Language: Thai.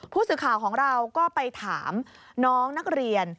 ผู้สื่อข่าวของเราก็ไปถามน้องนักเรียน